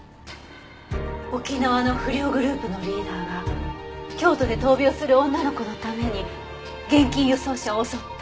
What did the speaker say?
沖縄の不良グループのリーダーが京都で闘病する女の子のために現金輸送車を襲った？